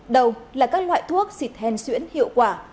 đầu là các loại thuốc xịt hèn xuyễn hiệu quả